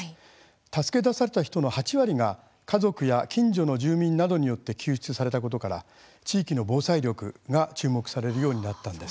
助け出された人の８割が家族や近所の住民などによって救出されたことから地域の防災力が注目されるようになったんです。